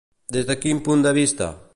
Des de quin punt de vista?